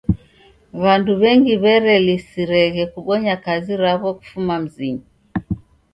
W'andu w'engi w'erelisireghe kubonya kazi raw'o kufuma mzinyi.